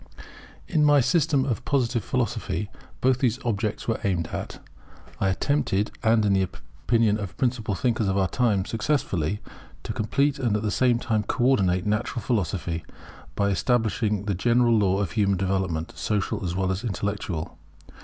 In my System of Positive Philosophy both these objects were aimed at. I attempted, and in the opinion of the principal thinkers of our time successfully, to complete and at the same time co ordinate Natural Philosophy, by establishing the general law of human development, social as well as intellectual.